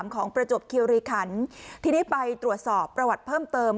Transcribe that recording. ประจวบคิวรีคันทีนี้ไปตรวจสอบประวัติเพิ่มเติม